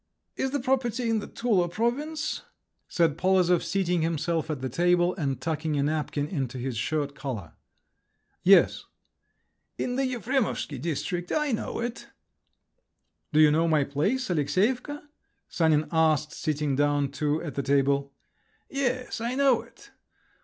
"Is the property in the Tula province?" said Polozov, seating himself at the table, and tucking a napkin into his shirt collar. "Yes." "In the Efremovsky district … I know it." "Do you know my place, Aleksyevka?" Sanin asked, sitting down too at the table. "Yes, I know it."